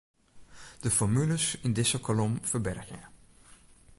De formules yn dizze kolom ferbergje.